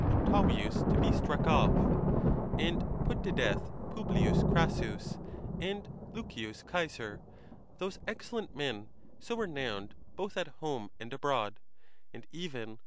Octavius, to be struck off; and put to death P. Crassus,' and L. Cx sar,' those excellent men, so renowned both at home and abroad; and even M.